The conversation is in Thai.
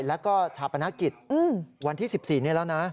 แล้วก็ชาปนกิจวันที่๑๔นี้แล้วนะ